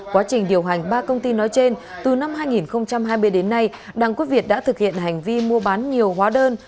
quá trình điều hành ba công ty nói trên từ năm hai nghìn hai mươi đến nay đặng quốc việt đã thực hiện hành vi mua bán nhiều hóa đơn